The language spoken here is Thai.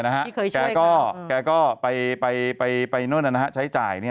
นะฮะที่เคยช่วยกับเขาแกก็ไปไปไปนั่นนะฮะใช้จ่ายเนี้ย